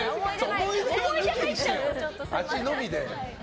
思い出は抜きにして味のみでね。